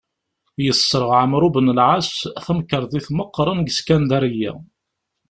Yesserɣ Ɛemru ben Lɛaṣ tamkerḍit meqqren deg Skandarya.